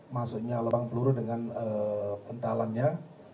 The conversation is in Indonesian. masuknya lubang peluru dengan kentalannya